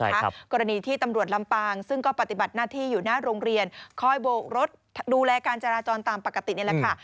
กรณีที่ตำรวจลำปางซึ่งก็ปฏิบัติหน้าที่อยู่หน้าโรงเรียนคอยโบกรถดูแลการจราจรตามปกตินี่แหละค่ะ